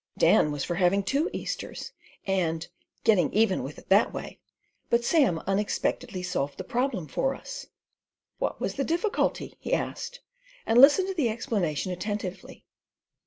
Dan was for having two Easters, and "getting even with it that way"; but Sam unexpectedly solved the problem for us. "What was the difficulty?" he asked, and listened to the explanation attentively.